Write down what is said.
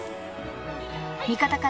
［味方から